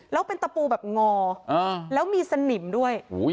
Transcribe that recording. แล้วเป็นตะปูแบบงอแล้วมีสนิมด้วย